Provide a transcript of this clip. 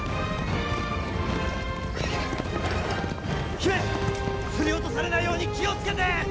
姫振り落とされないように気を付けて！